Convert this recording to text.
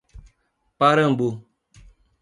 Parambu